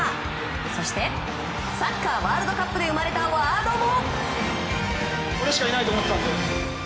そしてサッカーワールドカップで生まれたワードも。